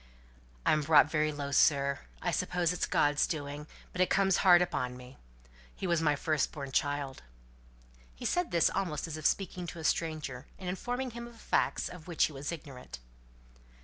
"I'm brought very low, sir. I suppose it's God's doing; but it comes hard upon me. He was my firstborn child." He said this almost as if speaking to a stranger, and informing him of facts of which he was ignorant.